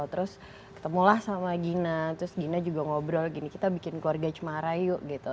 terus ketemulah sama gina terus gina juga ngobrol gini kita bikin keluarga cemara yuk gitu